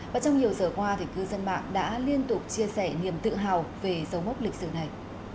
và trong nhiều giờ qua cư dân mạng đã liên tục chia sẻ niềm tự hào về dấu mốc lịch sử này